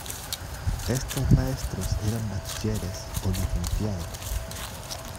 Estos maestros eran bachilleres o licenciados.